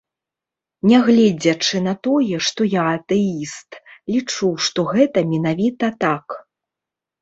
Нягледзячы на тое, што я атэіст, лічу, што гэта менавіта так.